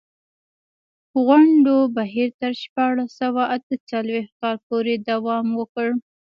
غونډو بهیر تر شپاړس سوه اته څلوېښت کال پورې دوام وکړ.